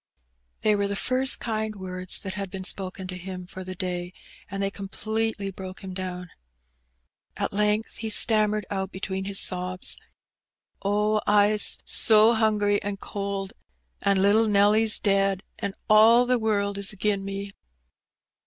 They were the first kind words that had been spoken to him for the day, and they completely broke him down. At length he stammered out between his sobs — "Oh, Fs so hungry an' cold, an' little Nelly's dead; an* all the world is agin me."